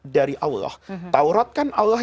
dari allah taurat kan allah